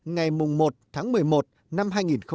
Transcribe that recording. ngày một tháng một mươi một năm hai nghìn một mươi chín